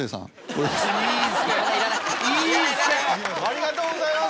ありがとうございます。